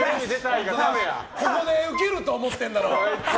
ここでウケると思ってるんだろ。